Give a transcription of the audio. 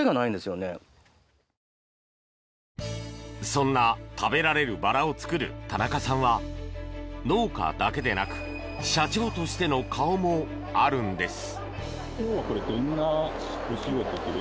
そんな食べられるバラを作る田中さんは農家だけでなく社長としての顔もあるんです。